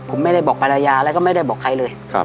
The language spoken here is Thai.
ผมไม่ได้บอกภรรยาแล้วก็ไม่ได้บอกใครเลย